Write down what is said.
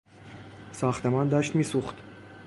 ساختمان داشت میسوخت.